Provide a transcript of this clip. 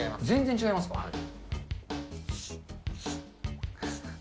全然違いますか？